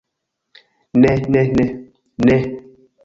Ne ne ne. Ne!